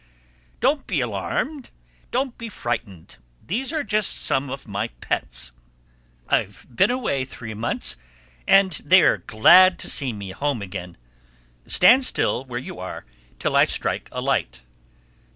"Don't be alarmed. Don't be frightened. These are just some of my pets. I've been away three months and they are glad to see me home again. Stand still where you are till I strike a light.